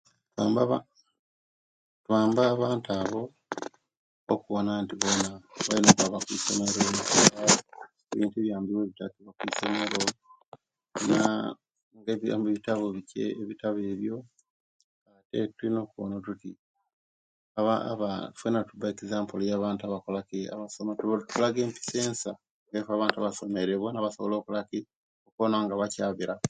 Twamba bamba abantu abo okubona nti bona balina okwaaba kwisomero nokufuna ebintu ebiyambiya ebitakiwa kwisomero okufuna nga ebiyamba nga ebitabo ebyo tulina okuwona tuti aba aba fena tulina okuba example yabantu aba kolaki nga tullaga empisa ensa nga ife abantu otwasomere bona bakole ki bachabiraku